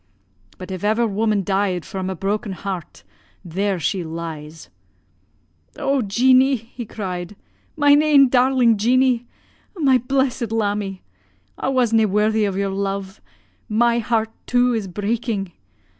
But if ever woman died fra' a broken heart, there she lies.' "'Oh, Jeanie!' he cried, 'mine ain darling Jeanie! my blessed lammie! I was na' worthy o' yer love my heart, too, is breaking.